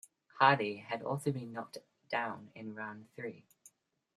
Hardy had also been knocked down in round three.